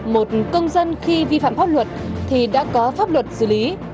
một công dân khi vi phạm pháp luật thì đã có pháp luật xử lý